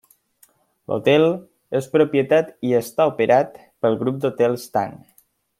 L'hotel és propietat i està operat pel grup d'hotels Dan.